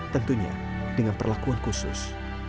tentunya dengan perlakuan khusus